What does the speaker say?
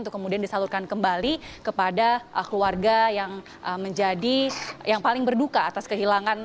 untuk kemudian disalurkan kembali kepada keluarga yang menjadi yang paling berduka atas kehilangan